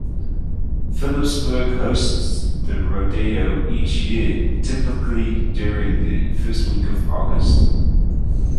Phillipsburg hosts the rodeo each year, typically during the first week of August.